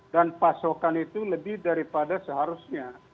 dan pasokan itu lebih daripada seharusnya